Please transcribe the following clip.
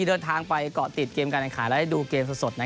เดินทางไปเกาะติดเกมการแข่งขันและได้ดูเกมสด